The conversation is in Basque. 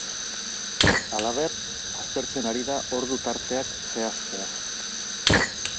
Halaber, aztertzen ari da ordu-tarteak zehaztea.